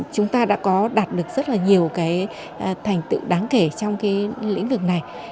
chúng ta đã có đạt được rất nhiều thành tựu đáng kể trong lĩnh vực này